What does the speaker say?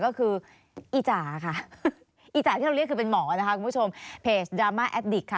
ก็คืออีจ่าค่ะอีจ่าที่เราเรียกคือเป็นหมอนะคะคุณผู้ชมเพจดราม่าแอดดิกค่ะ